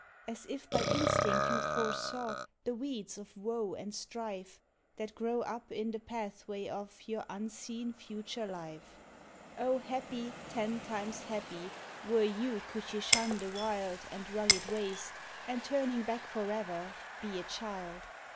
As if by instinct you foresaw the weeds of woe and strife, That grow up in the pathway of your unseen future life. Oh! happy, ten times happy, were you could you shun the wild And rugged waste; and turning back for ever, be a child.